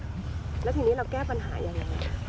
แล้วทีนี้เราแก้ปัญหายังไง